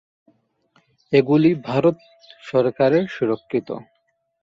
এগুলি ভারত সরকার সুরক্ষিত।